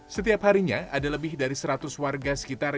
setiap harinya ada lebih dari seratus warga sekitar